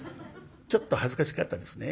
ちょっと恥ずかしかったですね。